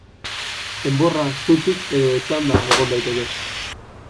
Enborra zutik edo etzanda egon daiteke.